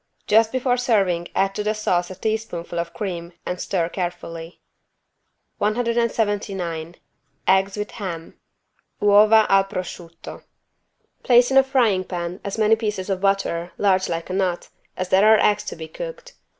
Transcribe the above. Just before serving add to the sauce a teaspoonful of cream and stir carefully. 179 EGGS WITH HAM (Uova al prosciutto) Place in a frying pan as many pieces of butter, large like a nut, as there are eggs to be cooked.